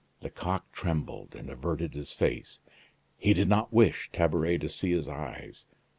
Lecoq trembled and averted his face. He did not wish Tabaret to see his eyes.